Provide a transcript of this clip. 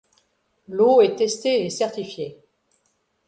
L'eau est testée et certifiée.